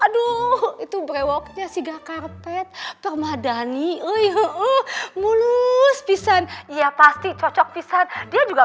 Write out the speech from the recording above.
ulewok itu brewoknya hacking karet permadani eh mulus pisan ya pasti cocok bisa dia juga